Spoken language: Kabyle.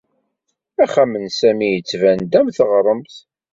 Axxam n Sami yettban-d am teɣremt.